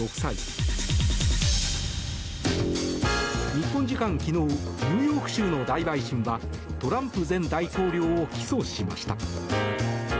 日本時間昨日ニューヨーク州の大陪審はトランプ前大統領を起訴しました。